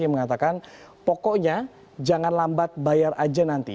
yang mengatakan pokoknya jangan lambat bayar aja nanti